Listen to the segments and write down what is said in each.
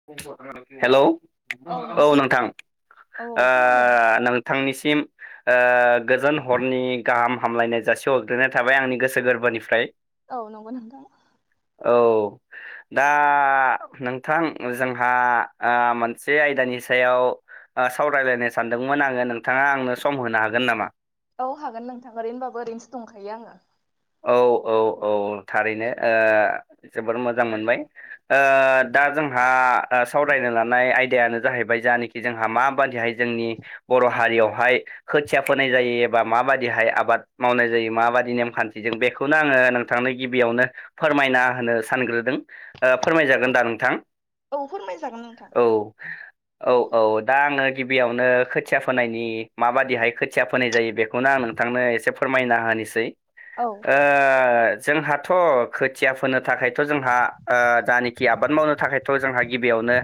[inaudible] Hello औ नोंथां औ औ ओ खोनादों नों थांनिसिम ओ गोजोन हरनि गाहाम हामलायनाय जासिहर जोननाय थाबाय आंनि गोसो गोरबोनिफ्राय। औ नोंगौ नोंथां। औ दा नोंथां जोंहा ओ मोनसे ओ आयदानि सायाव ओ सावरायलायनो सानदोंमोन आङो नों थाङा आंनो सम होनो हागोन नामा? औ हागोन नोंथां ओरैनोबाबो ओरैनोसो दंखायो आङो। औ औ औ थारैनो ओ जोबोर मोजां मोनबाय। ओ दा जोंहा ओ सावरायनो लानाय आयदायानो जाहैबाय जानिख दि जोंहा माबादिहाय जोंनि बर' हारियावहाय खोथिया फोनाय जायो एबा माबायदिहाय आबाद मावनाय जायो माबादि नेमखान दि जों बेखौनो आङो नोंथांनो गिबियावनो फोरमायना होनो सानग्रोदों। ओ फोरमायजागोन दा नोंथां? औ फोरमाय जागोन नोंथां। औ औ औ दा आङो गिबियावनो खोथिया फोनायनि माबादिहाय खोथिया फोनाय जायो बेख खौनो आं नोंथांनो एसे फोरमायना होनिसै। औ ओ ओ जोंहाथ' खोथिया फोनो थाखायथ' जोंहा ओ जानोखि आबाद मावनो थाखाय थ' जोंहा गिबियावनो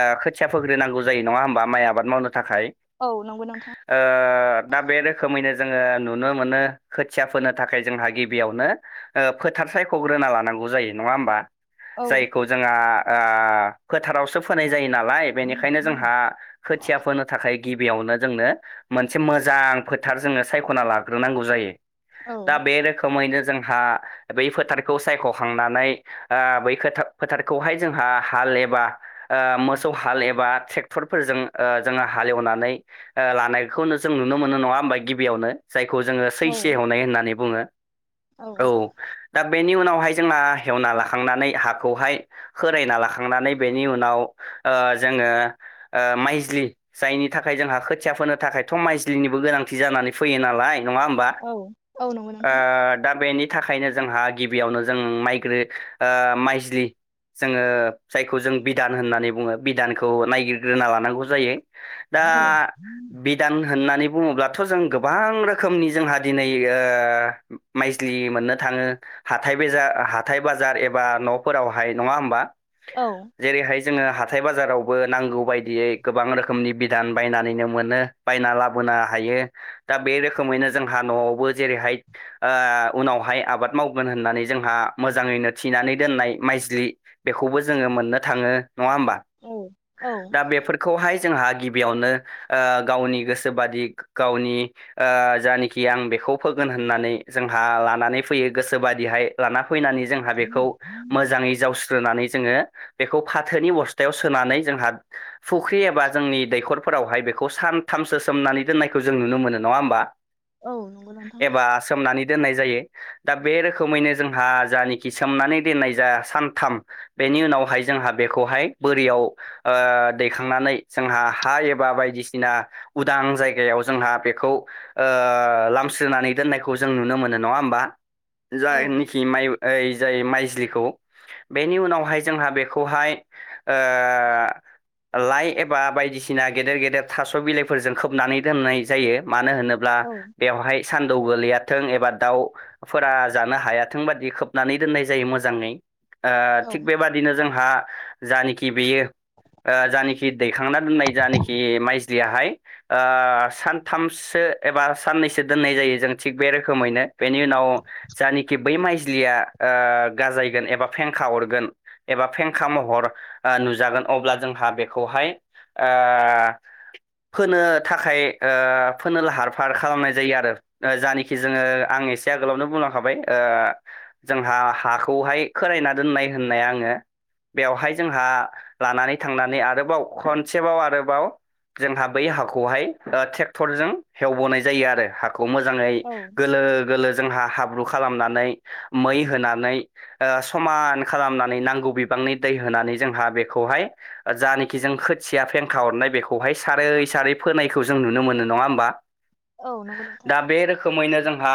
ओ खोथिया फोग्रोनांगौ जायो नङा होमबा माइ आबाद मावनो थाखाय। औ नंगौ नोंथां। ओ दा बे रोखोमैनो जोङो नुनो मोनो खोथिया फोनो थाखाय जोंहा गिबियावनो ओ फोथार सायख'ग्रोना लानांगौ जायो नङा होमबा औ जायखौ जोंहा ओ फोथारावसो फोनाय जायो नालाय बेनिखायनो जोंहा खोथिया फोनो थाखाय गिबियावनो जोंनो मोनसे मोजां फोथार जोंनो सायख'ना लाग्रोनांगौ जायो। औ दा बे रोखोमैनो जोंहा बै फोथारखौ सायख'खांनानै ओ बै खोथाब फोथारखौहाय जोंहा हाल एबा ओ मोसौ हाल एबा थ्रेक्टरफोरजों ओ जों हालेवनानै ओ लानायखौनो जों नुनो मोनो नङा हमबा गिबियावनो। जायखौ जोङो औ सैसे एवनाय होननानै बुङो औ। दा बेनि उनावहाय जोंहा हेवना लाखांनानै हाखौहाय खोरायना लाखांनानै बेनि उनाव ओ जोङो माइज्लि जायनि थाखाय जोंहा खोथिया फोनो थाखायथ' माइज्लिनिबो गोनांथि जानानै फैयो नालाय नङा होमबा? औ औ नंगौ ओ नोंथां दा बेनि थाखायनो जोंहा गिबियावनो जों माइग्रो औ माइजलि जोङो जायखौ जों बिधान होननानै बुङो बिधानखौ नायगिरग्रोना लानांगौ जायो। दा औ बिदान होननानै बुङोब्लाथ' जों गोबां रोखोमनि जोंहा दिनै ओ ओ माइस्लि मोननो थाङो हाथथाय बेजा हाथाय बाजार एबा न'फोरावहाय नङा होमबा औ जेरैहाय जोङो हाथाय बाजारावबो नांगौ बायदियै गोबां रोखोमनि बिधान बायनानैनो मोनो। बायना लाबोनो हायो दा बे रोखोमैनो जोंहा न'आवबो जेरैहाय ओ उनावहाय आबाद मावगोन होननानै जोंहा मोजाङैनो थिनानै दोननाय माइजलि बेखौबो जोङो मोननो थाङो नङा हबा औ औ दा बेफोरखौहाय जोंहा गिबियावनो ओ गावनि गोसोोबादि गावनि ओ जायानखि आं बेखौ फोगोन होन होननानै जोंहा लानानै फैयो गोसोोबादिहाय लाना फैनानै जों जोंहा बेखौ मोजाङै जावस्रोनानै जोङो बेखौ फाथोनि अस्थायाव सोनानै जोंहा फुख्रि एबा जोंनि दैखरफोरावहाय बेखौ सानथामसो सोमनानै दोननायखौ जों नुनो मोनो नङा होमबा औ नंगौ नोंथां ओ सोमनानै दोननाय जायो। दा बे रोखोमैनो जोंहा जानखि सोमनानै दोननाय जा सानथाम बेनि उनावहाय जोंहा बेखौहाय बोरियाव ओ दैखांनानै जोंहा हा एबा बायदिसिना उदां जायगायाव जोंहा बेखौ ओ लामस्रोनानै दोननायखौ जों नुनो मोनो नङा होमबा औ जाय खि माइ ओ जाय माइजलिखौ बेनि उनावहाय जोंहा बेखौहाय ओ लाइ एबा बायदिसिना गेदेर गेदेर थास' बिलाइफोरजों खोबनानै दोननाय जायो मानो होनोब्ला औ बेवहाय स द गोलैयाथों एबा दाउफोरा जानो हायाथों बादि खोबनानै दोननाय जायो मोजाङै ओ औ थिग बेबादिनो जोंहा जानखि बेयो ओ जानाखि दैखांना दोननाय जानाखि माइजलियाहाय ओ सानथामसो एबा साननैसो दोननाय जायो जों थिग बे रोखोमैनो बेनि उनाव जानखि बै माइजलिया ओ गाजायगोन एबा फेंखा अरगोन एबा फेंखा महर ओ नुजागोन अब्ला जोंहा बेखौहाय ओ फोनो थाखाय ओ फोनो लाहार फाहार खालामनाय जायो आरो ओ जायानखि जोङो आं एसे आगोलावनो बुंलांखाबाय ओ जोंहा हाखौहाय खोराययना दोननाय होननाय आङो बेवहाय जोंहा लानानै थांनानै आरोबाव खनसेबाव आरोबाव जोंहा बै हाखौहाय ट्रेक्टर जों हेवबोनाय जायो आरो ह मोजाङै औ गोरल गोरलोलो जोंहा हाब्रु खालामनानै मै होनानै ओ समान खालामनानै नांगौ बिबांनि दै होनानै जोंहा बेखौहाय जानखि जों खोथिया फेंखा हरनाय बेखौहाय सारै सारै फोनायखौ जों नुनो मोनो नङा होमबा। औ नंगौ नों। दा बे रोखोमैनो जोंहा।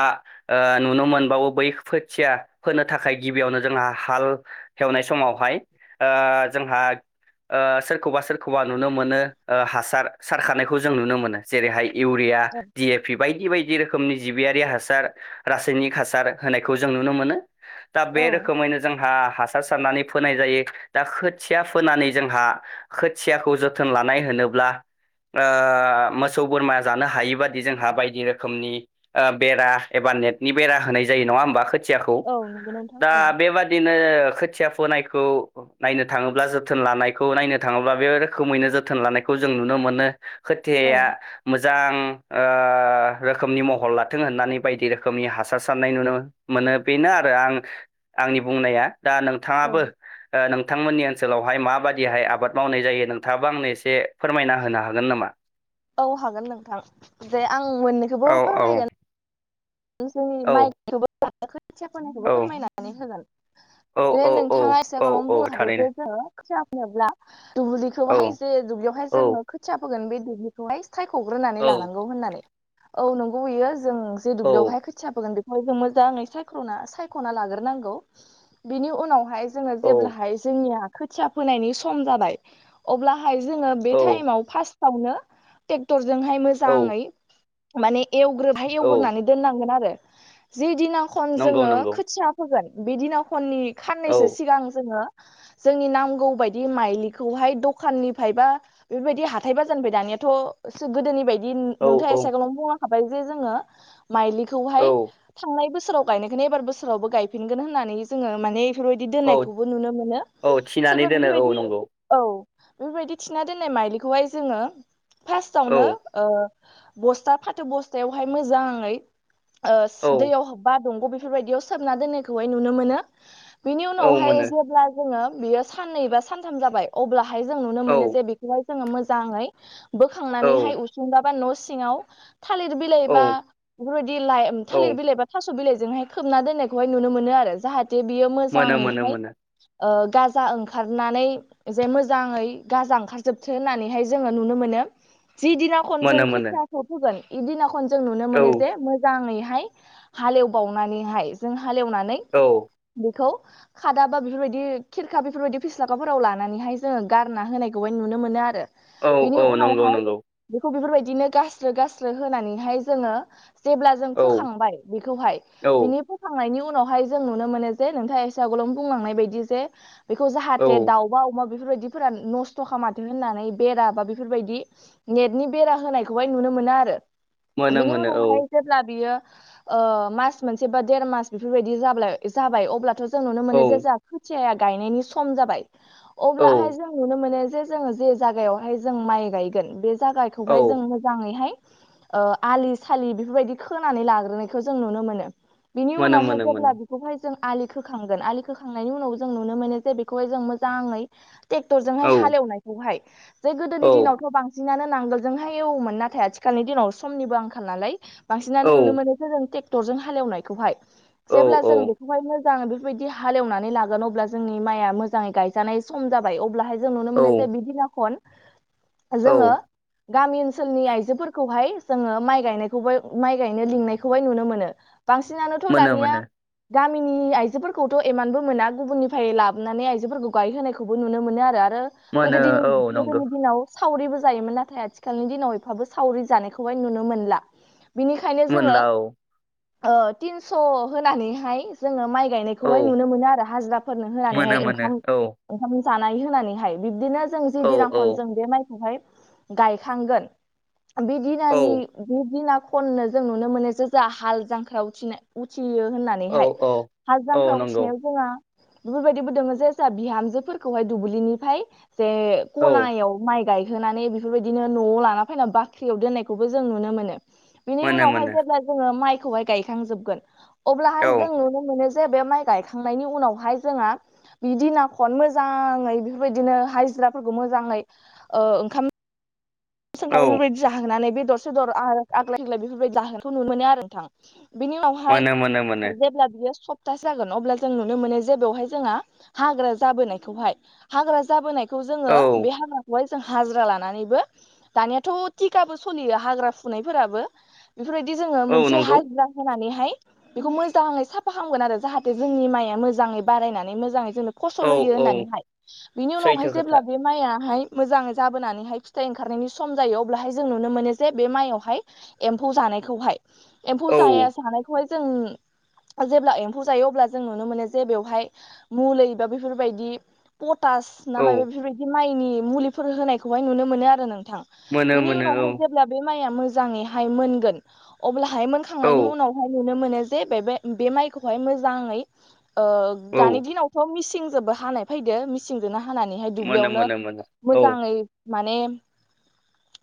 ओ नुनो मोनबावो बै खोथिया फोनो थाखाय गिबियावनो जोंहा हाल एवनाय समावहाय ओ जोंहा। ओ सोरखौबा सोरखौबा नुनो मोनो ओ हासार सारखानायखौ जों नुनो मोनो जेरैहाय इउरिया, औ डि एपि बायदि बायदि। बायदि रोखोमनि जिबियारि हासार रासायनिक हासार होनायखौ जों नुनो मोनो। दा बे औ रोखोमैनो जोंहा हासार सारनानै फोनाय जायो दा खोथिया फोनानै जोंहा खोथियाखौ जोथोन लानाय होनोब्ला ओ मोसौ बोरमा जानो हायि बादि जोंहा बायदि रोक्ष रोखोनि ओ बेरा एबा नेटनि बेरा होनाय जायो नङा होमबा? खो खोथियाखौ औ नंगौ नोंथां दा औ बेबादिनो खोथिया फोनायखौ नायनो थाङोब्ला जोथोन लानायखौ नायनो थाङोब्ला बे रोखोमैनो जोथोन लानायखौ जों नुनो मोनो। औ खोथिआया मोजां ओ रोखोमनि महर लाथों होननानै बायदि रोखोमनि हासार साननाय नुनो मोनो बेनो आरो आं आंनि बुंनाया दा औ नोंथाङाबो ओ नोंथांमोननि ओनसोलावहाय माबादिहाय आबाद मावनाय जायो नोंथाङाबो आंनो एसे फोरमायना होनो हागोन नामा? औ हागोन नोंथां जे आं औ मोननैखौबो फोरमायगोन जोंनि औ माइखौबो खोथिया औ फोनायखौबो फोरमायनानै होगोन। ए औ नोंथाङा औ एसे औ गोलावनो औ बुंनो हादो थारैनो [unintelligible] औ दुब्लिखौहाय जे दुब्लियावहाय औ जोङो खोथिया फोगोन बे दुब्लिखौहाय साइख'ग्रोनानै औ लानांगौ होननानै औ नंगौ बियो जों जे दुब्लियावहाय खोथिया फोगोन बेखौहाय जों मोजाङै सायख्र'ना सायख'ना लाग्रोनांगौ बिनि उनावहाय जोङो औ जेब्लाहाय जोंनिया खोथिया फोनायनि सम जाबाय अब्लाहाय जोङो बे थाइमाव फासटावनो ट्रेक्टरजोंहाय औ मोजाङै माने एवग्रोहाय औ एवग्रोनानै दोननांगोन आरो जि दिनाव खन नंगौ जोङो नंगौ खोथिया फोगोन बे दिना खननि औ खाननैसो सिगां जोङो जोंनि नांगौ बायदि माइलिखौहाय दखाननिफ्राय बा बेफोरबायदि हाथाय बाजारनिफ्राय दानियाथ'एसे गोदोनि बायदि औ [unintelligible] नोंथाङा औ एसे आगोलाव बुंनो हाबाय जे जोङो माइलिखौहाय औ थांनाय बोसोराव गायनायखौनो एबार बोसोरावबो गायफिनगोन होननानै जोङो माने बेफोरबायदि औ दोननायखौबो नुनो मोनो औ थिनानै सोरबा दोनो औ बेफोरबायदि नंगौ औ बेफोरबायदि थिना दोननाय माइलिखौहाय जोङो औ फार्स्टआवनो ओ बस्था फाथो बस्थायावहाय मोजाङै ओ औ दैयाव हाबबा दंग' बेफोरबायदियाव सोबना दोननायखौहाय नुनो मोनो। बिनि औ उनावहाय मोनो जेब्ला जोङो बियो साननै बा सानथाम जाबाय अब्लाहाय जों नुनो औ मोनो जे बे खौहाय जोङो मोजाङै औ बोखांनानैहाय उसुंब बा न' सिङाव थालिर बिलाइ औ बा बेफोरबायदि लाइ औ थालिर बिलाइ बिलाइ बा थास' बिलाइजोंहाय खोबना दोननायहाय नुनो मोनो आरो जाहाथे बियो मोनो मोनो मोजाङैहाय मोनो ओ गाजा ओंखारनानै जे मोजाङै गाजा ओंखारजोबथों होननानैहाय जोङो नुनो मोनो जि दिनाव खन जों मोनो मोनो खोथियाखौ फोगोन इदिना खन जों नुनो औ मोनो मोजाङै हाय हालेवबावनानैहाय जों हालेवनानै औ। बेखौ खादा बा बेफोरबायदि खिरखा बेफोरबायदि फिस्लागाफोराव लानानैहाय जोङो गारना होनायखौहाय नुनो मोनो आरो। औ बेनि औ नंगौ उनावहाय नंगौ बेखौ बेफोरबायदिनो गास्रो गास्रो होनानैहाय जोङो जेब्ला जों औ फोखांबाय बेखौहाय औ बिनि खांनायनि उनावहाय जों नुनो मोनो जे नोंथाङा एसे आगोलाव बुंलांनाय बायदि जे बेखौ औ जाहाथे दाउबा अमा बेफोरबायदिफोरा नस्थ' खालामाथों होननानै बेरा बा बेफोरबायदि नेटनि बेरा होनायखौहाय नुनो मोनो आरो मोनो बेनि मोनो औ उनावहाय जेब्ला बियो ओ मास मोनसे बा देर मास बेफोरबायदि जाब्लाय जाबाय अब्लाथ' जों नुनो औ मोनो जे जोंहा खोथिया गायनायनि सम जाबाय औ अब्लाहाय जों जों नुनो मोनो जे जोङो जे जायगायावहाय जों माइ गायगोन बे औ जागाखौहाय जों मोजां मोजाङैहाय ओ आलि सालि बेफोरबायदि खोनानै लाग्रोनायखौ जों नुनो मोनो। बिनि मोनो उनावहाय मोनो जेब्ला मोनो बेखौहाय जों आलि खोखांगोन आलि खोखांनायनि उनाव जों नुनो मोनो जे बेखौहाय जों मोजाङै औ टेक्टरजोंहाय हालेवनायखौहाय जे गोदोनि औ दिनावथ' बां जोंहालाय नांगोलजोंहाय एवोमोन नाथाय आथिखालनि दिनाव समनिबो आंखाल नालाय औ बांसिनानो नुनो मोनो जों ट्रेक्टर जजों हालेवनायखौहाय औ जेब्ला जों औ महाय मोजाङै बेफोरबायदि हालेवनानै लागोन अब्ला जोंनि माइआ मोजाङै गायजानाय सम जाबाय अब्लाहाय जों नुनो मोनो जे औ बिदिना खन औ जोङो गामि ओनसोलनि आइजोफोरखौहाय जोङो माइ गायनायखौबो माइ गायनो लिंनायखौहाय नुनो मोनो बांसिनानोथ' मोनो दानिया मोनो गामिनि आइजोफोरखौथ' एमानबो मोना गुबुननिफ्राय लाबोनानै आइजोफोरखौ गायहोनायखौ -खौबो नुनो मोनो आरो आरो मोनो गोदो दि औ नंगौ गोदोनि दिनाव सावरिबो जायोमोन नाथाय आथिखालनि दिनाव एफाबो सावरि जानायखौहाय नुनो मोनला बिनिखायनो जोङो मोनला औ थिनस' होनानैहाय जोङो माइ औ गायनायखौहाय नुनो मोनो आरो हाजिराफोरनो होनानैहाय मोनो मोनो ओंखाम औ ओंखाम जानाय होनानैहाय बिब्दिनो जों जि औ दिनांखौनो जों बे माइखौहाय गायखांगोन बे औ दिनानि बे दिना खननो जों नुनो मोनो जो जों हाल जांख्रायाव उनाय उथियो होननानै औ औ [unintelligible] हाल औ जांख्रा नंगौ उथिनायाव जोंहा बेफोरबायदिबो दङो जे जाहा बिहामजोफोरखौहाय दुब्लिनिफ्राय जे औ खनायाव माइ गायहोनानै बेफोरबायदिनो न'आव लाना फैनानै बाख्रियाव दोननायखौबो जों नुनो मोनो बिनि मोनो उनावहाय मोनो जेब्ला जोङो माइखौहाय गायखांजोबगोन अब्लाहाय औ जों नुनो मोनो जे बे माइ गायखांनायनि उनावहाय जोंङहा बिदि न खन मोजाङै बेफोरबायदिनो हाजिराफोरखौ मोजाङै ओंखाम सोंखां औ बेफोरबायदि जाहोनानै बेदरसे दर आग्लाय थेगायफोरबायदि जाहोनायखौ नु मोनो आरो नोंथां बिनि उनावहाय मोनो मोनो मोनो जेब्ला बियो स ास जागोन अब्ला जों नुनो मोनो जे बेवहाय जोंहा हाग्रा जाबोनायखौहाय हाग्रा जाबोनाय बे खौ जोङो औ बे हाब्राखौहाय जों हाजिरा लानानैबो दानियाथ' थटिकाबो सोलियो हाग्रा फुनायफोराबो बेफोरबायदि जोङो औ मोनसे नंगौ हा हुरिरा होनानैहाय बेखौ मोजाङै साफा खालामामगोन आरो जाहाथे जोंनि माइआ मोजाङै बारायनानै मोजाङै जों औ फसल होयो औ होननानैहाय बिनि सैथो उनावहाय खोथा जेब्ला बे माइआाहाय मोजाङै जाबोनानैहाय फिथाइ ओंखारनायनि सम जायो अब्लाहाय जों नुनो मोनो जे बे माइआवहाय एम्फौ जानायखौहाय एम्फौ औ जाया जानायखौहाय जोंनि जेब्ला एम्फौ जायो अब्ला जों नुनो मोनो जे बेवहाय मलै बा बेफोरबायदि पटास ना औ माय बेफोरबायदि माइनि मुलिफोर होनायखौहाय नुनो मोनो आरो नोंथां मोनो बेनि मोनो औ उनावहाय जे अ बे मआ मोज मोनोन अ औ मोनखांनायनि उनावहाय ननो मोन माइखौ मो औ द दिनाव थ' मिसिंजोंबो हानाय फैदो मिसिंजोंनो हानानैहाय मोनो दुब्लियावनो मोनो मोनो औ मोजाङै माने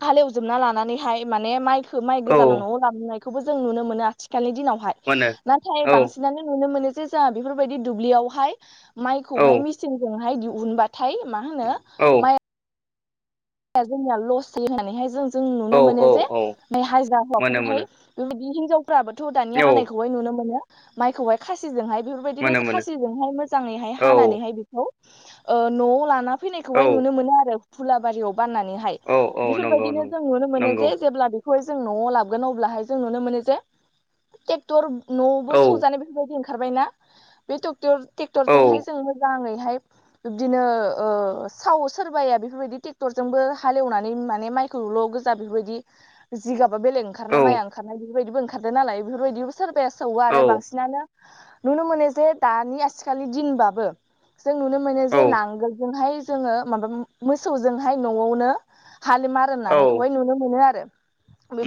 हालेवजोबना लानानैहाय माने माइखौो माइ औ गोजाल' न'आव नायबो जों नुनो मोन आथिखालनि दिनावहाय मोनो नाथाय औ बांसिनानो नुनो मोनो जे जोंहा बेफोरबायदि दुब्लियावहाय औ माइखौहाय मेचनजोंहाय दिहुनबाथाय मा होनो औ। जोंनिया लस होननानैहाय जों जों नुनो मोनो जे औ बे हाजिरा मोनो हौवाफोरहाय मोनो बेबायदि हिनजावफ्राबोथ' दानिया औ हानायखौहाय नुनो मोनो माइखौहाय खासिजोंहाय बेफोरबायदिनो मोनो मोनो खासिजोंहाय मोजाङैहाय औ हानानैहाय बेखौ न'आव लाना औ फैनायखौहाय नुनो मोनो आरो फुलाबारियाव बाननानैह औ औ नंगौ बेफोरबायदिनो नंगौ जों नुनो मोनो नंगौ जे जेब्ला लाोन जनो औ स बेफोरबायदि ओंखारबायनाा बे ट्रेक्टर औ जजोंहाय जोंो मोजाङैहाय बिबदिनो ओ सावो सोरबाया बेफोरबायदि टिक टेक्टर जोंबो हालेवनानै माने माइखौल' गोजा बेफोरबायदि जिगाबा बेलेग औ ओंखारनाय माइआ ओंखारनाय बेफोरबायदिबो ओंखारदों नालाय बेफोरबायदिबो सोरबाया सौवौ औ आरो बांसिनानो नुनो मोनो जे दानि आथिखालि दिनबाबो जों नुनो मोनो जे नांगोलजोंहाय जोङो माबा मोसौ जोंहाय न'आवनो [unintelligible] औ नुनो मोनो आरो।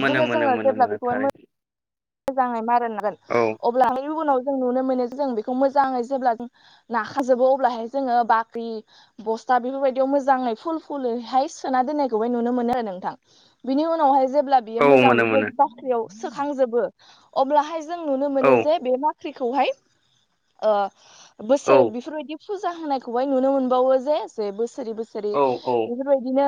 मोनो मोनो जोङो मोनो जेब्ला मोनो बेखौहाय थारैनो मोजाङै मार होनांगोन औ। अब्ला उनाव जों नुनो मोनो जों बेखौ मोजाङै जेब्ला जों नाखाजोबो अब्लाहाय जोङो बाख्रि बस्था बेफोरबायदियाव मोजाङै फुल फुलहाय सोना दोननायखौबो नुनो मोनो आरो नोंथां। बिनि उनावहाय जेब्ला औ बियो मोजां मोनो मोनो बेफोरबायदि बाख्रियाव सोखांजोबो अब्लाहाय जों नुनो औ मोनो जे बे माख्रिखौहाय‌ ओ औ बोसोर बेफोरबायदि फुजा होनायखौहाय नुनो मोनबावो जे जे बोसोरै बोसोरै औ बे बेबायदिनो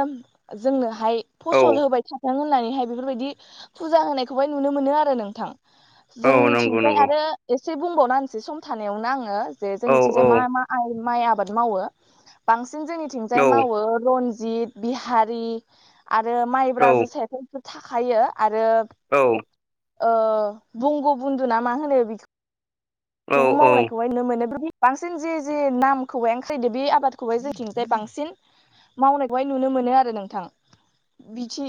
जोंनोहाय औ फसल होबाय थानाय [unintelligible] होननानैहाय बेफोरबायदि फुजा होनायखौहाय नुनो मोनो आरो नोंथां। औ नंगौ जोंनिथिंजाय नंगौ आरो एसे बुंबावनासै सम थानायावनो आङो जे औ औ जोंनिथिंजाय मा मा माइ आबाद मावो बांसिन जोंनिथिंजाय मावो रन जित बिहारि आरो माइब्रा औ जोसायाथ' बेफोर थाखायो आरो औ। ओ बंगु बुन्दु ना मा होनो बेखौ औ थबो औ मावनायखौाय [unintelligible] नुनो मोनो बांसिन जे जे नामखौहायन [unintelligible] बे आबादखौय जेथिंजाय बांसिन मावनायखौहाय नुनो मोनो आरो नोंथां बिथि